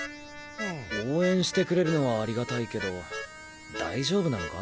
応援してくれるのはありがたいけど大丈夫なのか？